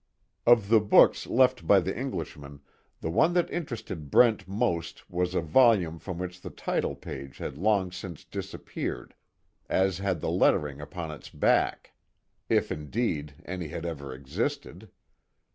Of the books left by the Englishman, the one that interested Brent most was a volume from which the title page had long since disappeared as had the lettering upon its back, if indeed any had ever existed.